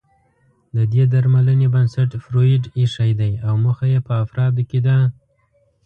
د دې درملنې بنسټ فرویډ اېښی دی او موخه يې په افرادو کې د